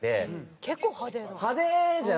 結構派手な。